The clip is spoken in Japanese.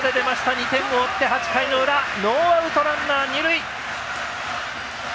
２点を追って、８回の裏ノーアウト、ランナー、二塁！